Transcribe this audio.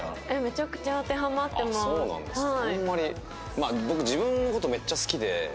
まあ僕自分の事めっちゃ好きで。